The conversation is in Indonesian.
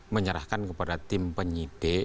menyerahkan kepada tim penyidik